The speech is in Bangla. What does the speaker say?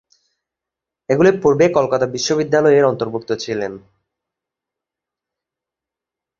এগুলি পূর্বে কলকাতা বিশ্ববিদ্যালয়ের অন্তর্ভুক্ত ছিল।